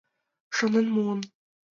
Шонен муын!